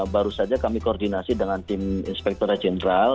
baru saja kami koordinasi dengan tim inspektora jenderal